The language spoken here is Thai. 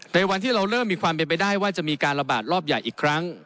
ในวันที่เราเริ่มมีความเป็นไปได้ว่าจะมีการระบาดรอบใหญ่อีกครั้ง